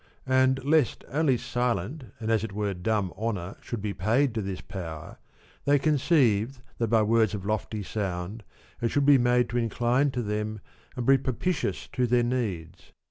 And lest only silent and as it were dumb honour should be paid to this power, they conceived that by words of lofty sound it should be made to incline to them and be propitious to their needs.